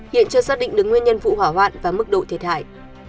hiện chưa xác định được nguyên nhân vụ hỏa hoạn và mức độ thiệt hại